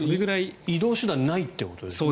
移動手段がないということですからね。